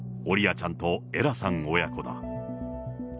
オリアちゃんとエラさん親子だ。